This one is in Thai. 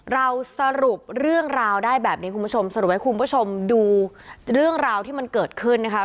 เราสรุปเรื่องราวได้แบบนี้คุณผู้ชมสรุปให้คุณผู้ชมดูเรื่องราวที่มันเกิดขึ้นนะคะ